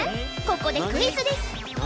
ここでクイズです